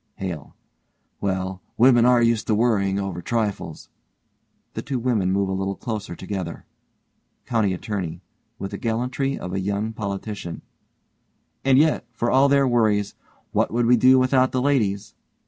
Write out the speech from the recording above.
HALE: Well, women are used to worrying over trifles. (The two women move a little closer together.) COUNTY ATTORNEY: (with the gallantry of a young politician) And yet, for all their worries, what would we do without the ladies?